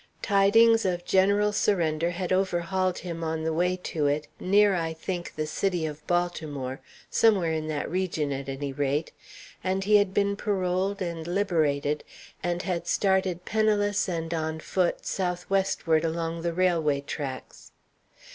Tidings of general surrender had overhauled him on the way to it, near, I think, the city of Baltimore somewhere in that region, at any rate; and he had been paroled and liberated, and had started penniless and on foot, south westward along the railway tracks.